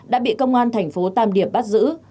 đã bị công an thành phố tam điệp bắt giữ